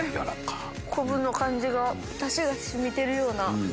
昆布の感じがダシが染みてるような。